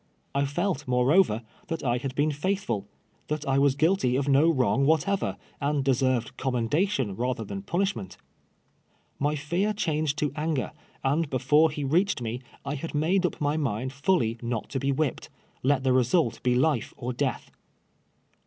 I felt, moreover, that I had been ftiithful — that I was guilty of no wrong wliatever, and deserved commenda tion rather than i)unishment. My fear changed to anffer, and before he reached me I had nuide \w mv mind fully not to be wdiipj^ied, let the result be life or death.